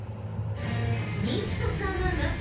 人気サッカー漫画